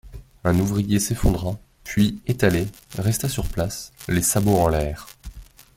Un ouvrier s'effondra, puis, étalé, resta sur place, les sabots en l'air.